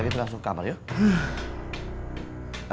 lagi terus kamar yuk